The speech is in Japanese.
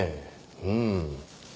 うん。